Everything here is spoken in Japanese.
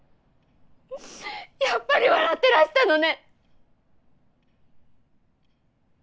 やっぱり笑ってらしたのね。